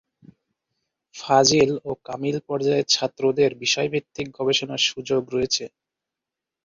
ফাজিল ও কামিল পর্যায়ের ছাত্রদের বিষয়ভিত্তিক গবেষণার সুযোগ রয়েছে।